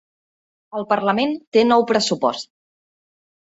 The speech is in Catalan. El parlament té nou pressupost